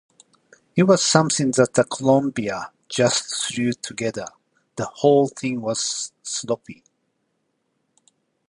It was something that Columbia just threw together...The whole thing was sloppy.